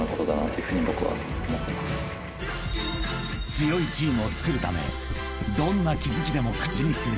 ［強いチームをつくるためどんな気付きでも口にする］